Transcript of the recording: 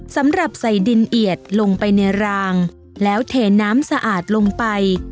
สำหรับใส่ดินเอียดลงไปในรางแล้วเทน้ำสะอาดลงไป